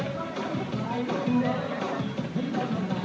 ตรงตรงตรง